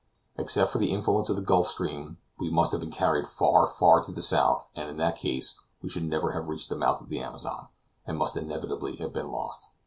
Except for the influence of the Gulf Stream we must have been carried far, far to the south, and in that case we should never have reached the mouth of the Amazon, and must inevitably have been lost.